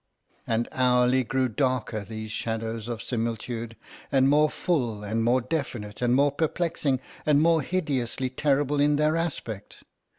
And hourly grew darker these shadows of similitude, and more full, and more definite, and more perplexing, and more hideously terrible in their aspect.